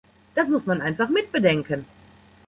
Das muss man einfach mit bedenken.